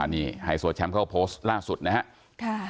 นี่ไฮโสเช็มเขาโพสต์ล่าสุดนะฮะ